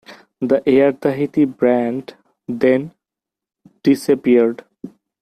The Air Tahiti brand then disappeared.